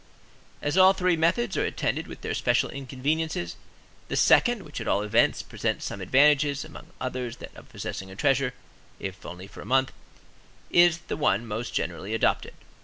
As all three methods are attended with their special inconveniences, the second, which at all events, presents some advantages, among others that of possessing a treasure, if only for a month, is the one most generally adopted.